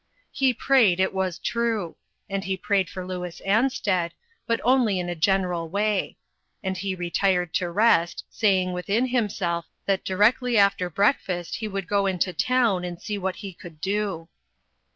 He prayed, it is true ; and lie prayed for Louis Ansted, but only in a AN ESCAPED VICTIM. 393 general way ; and he retired to rest, saying within himself that directly after breakfast he would go into town and see what he could do.